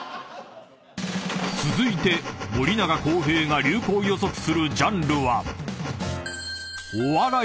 ［続いて森永康平が流行予測するジャンルは］